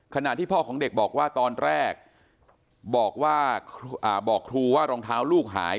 ขณะที่พ่อของเด็กบอกว่าตอนแรกบอกว่าบอกครูว่ารองเท้าลูกหาย